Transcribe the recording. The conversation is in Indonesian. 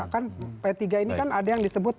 kan p tiga ini kan ada yang disebut